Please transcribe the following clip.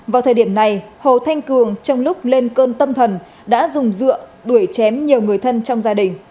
vào thời điểm này hồ thanh cường trong lúc lên cơn tâm thần đã dùng dựa đuổi chém nhiều người thân trong gia đình